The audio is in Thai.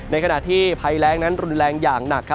ในขณะที่ภัยแรงนั้นรุนแรงอย่างหนักครับ